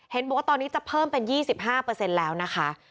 บอกว่าตอนนี้จะเพิ่มเป็น๒๕แล้วนะคะ